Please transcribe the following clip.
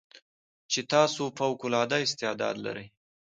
چې تاسې فوق العاده استعداد لرٸ